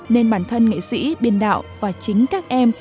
nên bản thân nghệ sĩ biên đạo và chính các em